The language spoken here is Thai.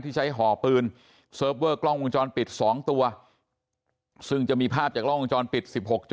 ใช้ห่อปืนเซิร์ฟเวอร์กล้องวงจรปิด๒ตัวซึ่งจะมีภาพจากล้องวงจรปิด๑๖